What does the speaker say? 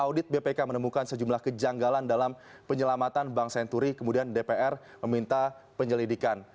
dan di sini bank senturi menemukan sejumlah kejanggalan dalam penyelamatan bank senturi kemudian dpr meminta penyelidikan